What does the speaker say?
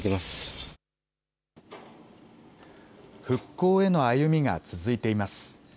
復興への歩みが続いています。